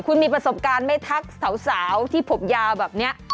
คุณมีประสบการณ์ไม่ทักสาวที่ผมยาวแบบนี้